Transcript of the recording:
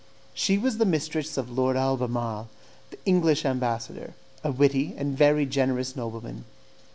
She was the mistress of Lord Albemarle, the English ambassador, a witty and very generous nobleman.